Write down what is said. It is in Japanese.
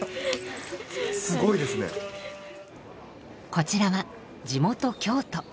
こちらは地元京都。